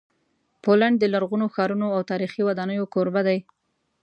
پولینډ د لرغونو ښارونو او تاریخي ودانیو کوربه دی.